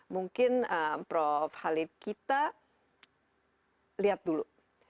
mungkin prof halid kita lihat dulu